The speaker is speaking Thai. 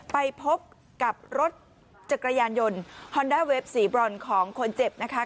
ไปพบกับรถจักรยานยนต์ฮอนด้าเวฟสีบรอนของคนเจ็บนะคะ